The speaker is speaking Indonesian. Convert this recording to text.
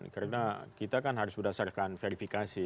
karena kita kan harus berdasarkan verifikasi